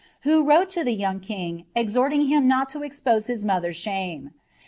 who wrote to the young king, exhort tto expose his moiher'c shame.'